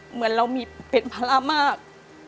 เหมือนเรามีเป็นภาระมาก